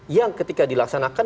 yang ketika dilaksanakan